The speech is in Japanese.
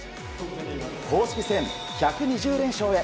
公式戦１２０連勝へ。